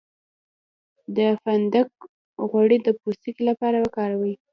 د فندق غوړي د پوستکي لپاره وکاروئ